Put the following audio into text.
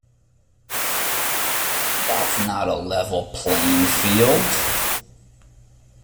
That's not a level playing field.